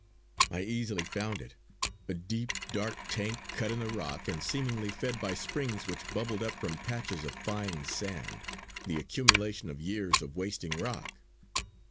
I easily found it, a deep, dark tank cut in the rock and seemingly fed by springs which bubbled up from patches of fine sand, the accumulation of years of wasting rock.